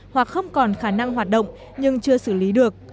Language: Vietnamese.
hoặc không còn khả năng hoạt động nhưng chưa xử lý được